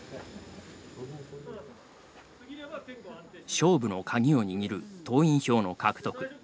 勝負の鍵を握る党員票の獲得。